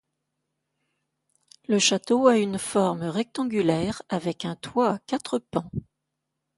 Le château a une forme rectangulaire avec un toit à quatre pans.